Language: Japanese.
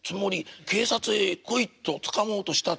「『警察へ来い』とつかもうとしたつもり」。